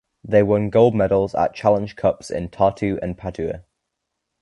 They won gold medals at Challenge Cups in Tartu and Padua.